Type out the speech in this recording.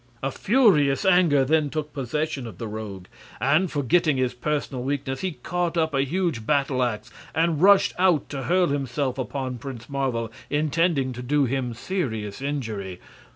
A furious anger then took possession of the Rogue, and forgetting his personal weakness he caught up a huge battle ax and rushed out to hurl himself upon Prince Marvel, intending to do him serious injury.